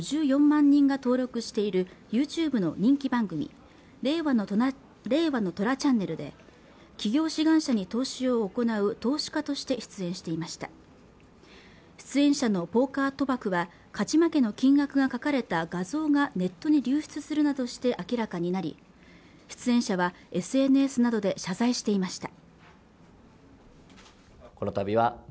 林元社長らはおよそ５４万人が登録しているＹｏｕＴｕｂｅの人気番組令和の虎ＣＨＡＮＮＥＬで起業志願者に投資を行う投資家として出演していました出演者のポーカー賭博は勝ち負けの金額が書かれた画像がネットに流出するなどして明らかになり出演者はＳＮＳなどで謝罪していました